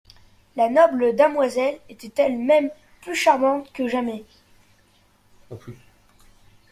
La noble damoiselle était elle-même plus charmante que jamais.